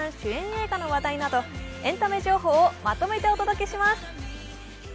映画の話題などエンタメ情報をまとめてお届けします。